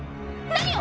何を！？